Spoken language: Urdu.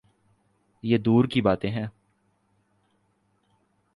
یہ دور کی باتیں ہیں۔